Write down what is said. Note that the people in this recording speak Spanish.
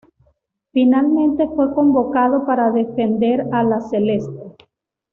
Finalmente fue convocado para defender a la Celeste.